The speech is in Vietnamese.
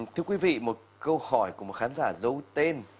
thưa quý vị một câu hỏi của một khán giả giấu tên